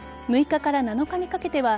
６日から７日にかけては